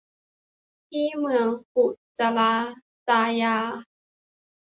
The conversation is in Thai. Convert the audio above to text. ที่เมืองปุจราจายา